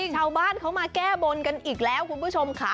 ชาวบ้านเขามาแก้บนกันอีกแล้วคุณผู้ชมค่ะ